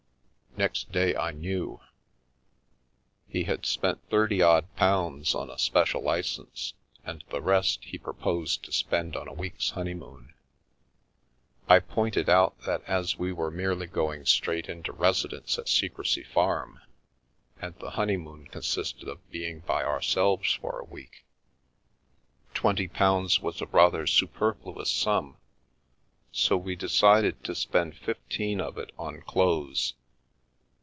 Next day I knew. He had spent thirty odd pounds on a special licence, and the rest he proposed to spend on a week's honeymoon. I pointed out that as we were merely going straight into residence at Secrecy Farm, and the honeymoon con sisted of being by ourselves for a week, twenty pounds was a rather superfluous sum, so we decided to spend fifteen of it on clothes.